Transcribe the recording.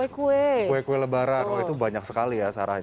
kue kue lebaran itu banyak sekali ya sarah